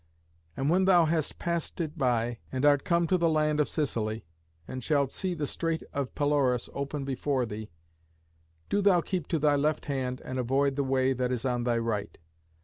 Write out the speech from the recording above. And when thou hast passed it by, and art come to the land of Sicily, and shalt see the strait of Pelorus open before thee, do thou keep to thy left hand and avoid the way that is on thy right.